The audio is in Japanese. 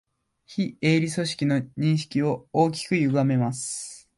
非営利組織の認識を大きくゆがめます